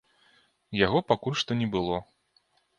Яго пакуль што не было.